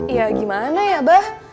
ya gimana ya bah